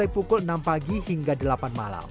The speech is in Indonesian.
saya percaya bahwa tempat ini menjadi tempat yang bagus